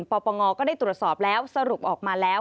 ปปงก็ได้ตรวจสอบแล้วสรุปออกมาแล้ว